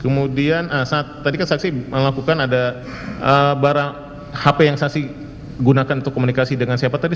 kemudian saat tadi kan saksi melakukan ada barang hp yang saksi gunakan untuk komunikasi dengan siapa tadi